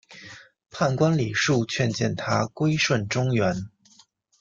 判官李恕劝谏他归顺中原。